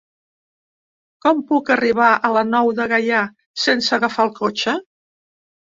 Com puc arribar a la Nou de Gaià sense agafar el cotxe?